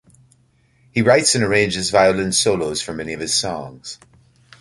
He writes and arranges violin solos for many of his songs.